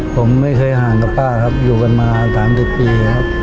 ผมไม่เคยห่างกับป้าครับอยู่กันมา๓๐ปีครับ